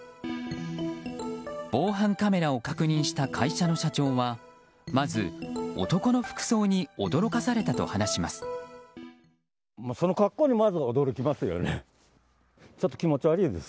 防犯カメラを確認した会社の社長はまず男の服装に驚かされたと話します。